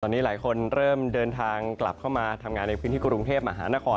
ตอนนี้หลายคนเริ่มเดินทางกลับเข้ามาทำงานในพื้นที่กรุงเทพมหานคร